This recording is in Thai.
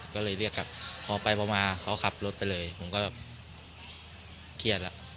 ก็เลยเรียกกลับพอไปพอมาเขาขับรถไปเลยผมก็แบบเครียดแล้ว